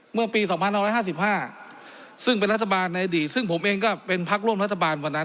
เมื่อปี๒๕๕ซึ่งเป็นรัฐบาลในอดีตซึ่งผมเองก็เป็นพักร่วมรัฐบาลวันนั้น